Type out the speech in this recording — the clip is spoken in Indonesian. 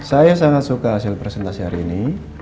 saya sangat suka hasil presentasi hari ini